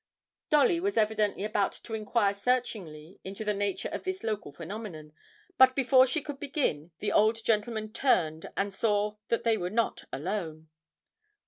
Dolly was evidently about to inquire searchingly into the nature of this local phenomenon, but before she could begin the old gentleman turned and saw that they were not alone.